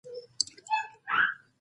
دا د اتباعو محرومولو لپاره دلیل نشته.